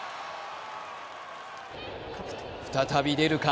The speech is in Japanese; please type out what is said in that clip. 再び出るか？